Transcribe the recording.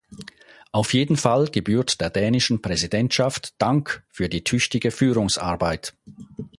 Auf jeden Fall gebührt der dänischen Präsidentschaft Dank für die tüchtige Führungsarbeit.